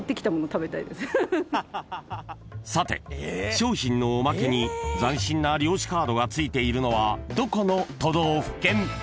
［さて商品のおまけに斬新な漁師カードが付いているのはどこの都道府県？］